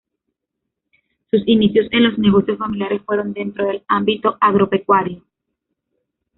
Sus inicios en los negocios familiares fueron dentro del ámbito agropecuario.